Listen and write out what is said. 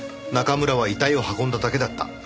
中村は遺体を運んだだけだった。